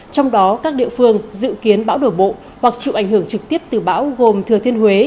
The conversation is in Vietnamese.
trong đó các địa phương dự kiến bão đổ bộ hoặc chịu ảnh hưởng trực tiếp từ bão gồm thừa thiên huế